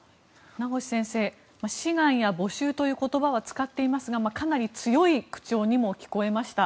名越先生志願や募集という言葉は使っていますがかなり強い口調にも聞こえました。